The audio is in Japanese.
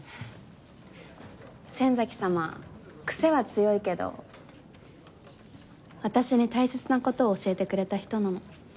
仙崎様クセは強いけど私に大切な事を教えてくれた人なの。